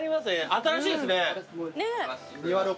新しいですね。